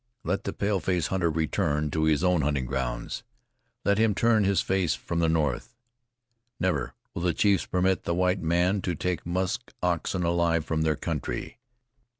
Let the pale face hunter return to his own hunting grounds; let him turn his face from the north. Never will the chiefs permit the white man to take musk oxen alive from their country.